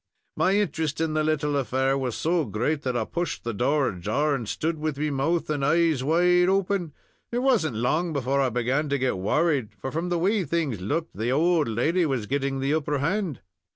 My interest in the little affair was so great, that I pushed the door ajar, and stood with me mouth and eyes wide open. It wasn't long before I began to get worried, for, from the way things looked, the owld lady was getting the upper hand.